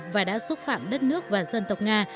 và đã xúc phạm đất nước và dân tộc nga